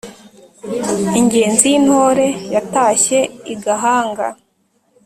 Ingenzi y'Intore yatashye I Gahanga